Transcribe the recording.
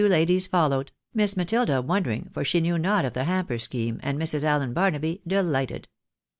91 ladies followed ; Miss Matilda wondering, for slie knew not of the hamper scheme, and Mrs. Allen Barnaby dehghted.